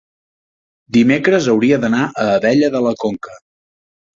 dimecres hauria d'anar a Abella de la Conca.